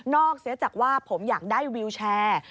เสียจากว่าผมอยากได้วิวแชร์